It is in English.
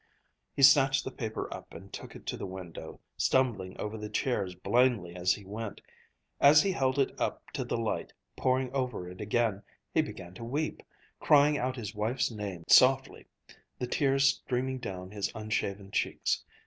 _" He snatched the paper up and took it to the window, stumbling over the chairs blindly as he went. As he held it up to the light, poring over it again, he began to weep, crying out his wife's name softly, the tears streaming down his unshaven cheeks.